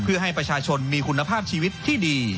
เพื่อให้ประชาชนมีคุณภาพชีวิตที่ดี